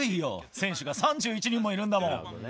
選手が３１人もいるんだもん。